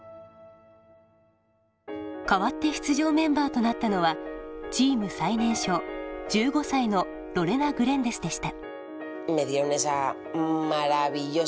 代わって出場メンバーとなったのはチーム最年少１５歳のロレナグレンデスでした。